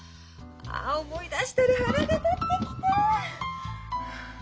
ああ思い出したら腹が立ってきた！